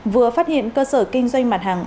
vừa phát hiện cơ sở kinh doanh mặt hàng